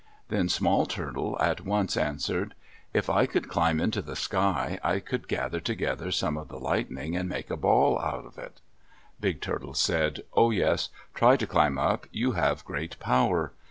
Then Small Turtle at once answered, "If I could climb into the sky, I could gather together some of the lightning, and make a ball of it." Big Turtle said, "Oh, yes. Try to climb up. You have great power."